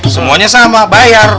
semuanya sama bayar